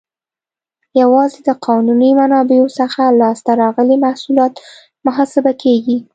یوازې د قانوني منابعو څخه لاس ته راغلي محصولات محاسبه کیږي.